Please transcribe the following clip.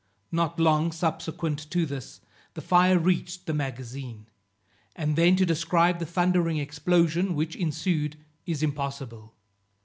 Not long subsequent to this, the fire reached the magazine; and then to describe the thundering explosion which ensued is impossible.